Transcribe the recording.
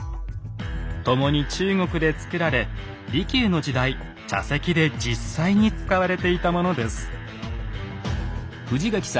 共に中国で作られ利休の時代茶席で実際に使われていたものです。